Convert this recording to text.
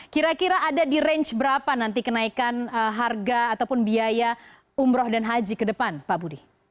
kira kira ada di range berapa nanti kenaikan harga ataupun biaya umroh dan haji ke depan pak budi